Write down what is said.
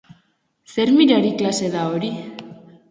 Zer mirari klase da hori?